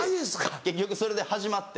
結局それで始まって。